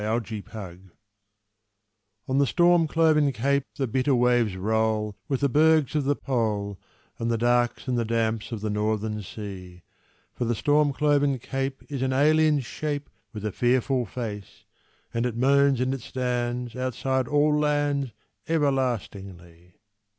Euroclydon On the storm cloven Cape The bitter waves roll, With the bergs of the Pole, And the darks and the damps of the Northern Sea: For the storm cloven Cape Is an alien Shape With a fearful face; and it moans, and it stands Outside all lands Everlastingly!